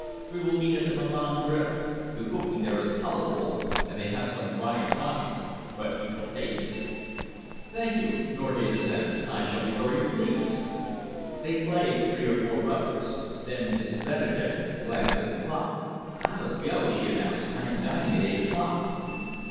We will eat at the Milan Grill. The cooking there is tolerable, and they have some Rhine wine but you shall taste it." "Thank you," Norgate assented, "I shall be very pleased." They played three or four rubbers. Then Mrs. Benedek glanced at the clock. "I must go," she announced. "I am dining at eight o'clock."